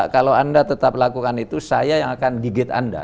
kalau anda tetap lakukan itu saya yang akan gigit anda